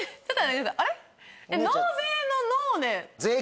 あれ？